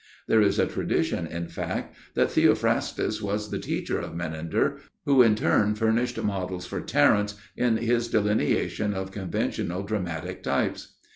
There is a tradition, in fact, that Theophrastus was the teacher of Menander, who in turn furnished models for Terence in his delineation of conventional dramatic types.